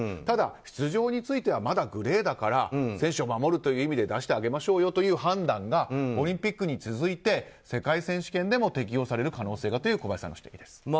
ただ、出場についてはまだグレーだから選手を守るという意味で出してあげましょうという判断がオリンピックに続いて世界選手権でも適用される可能性がという小林さんの指摘です。